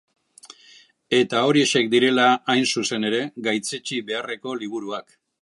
Eta horiexek direla, hain zuzen ere, gaitzetsi beharreko liburuak.